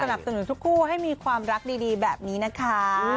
สนุนทุกคู่ให้มีความรักดีแบบนี้นะคะ